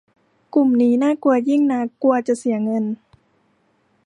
กลุ่มนี้น่ากลัวยิ่งนัก กลัวจะเสียเงิน